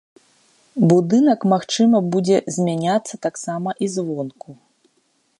Будынак, магчыма, будзе змяняцца таксама і звонку.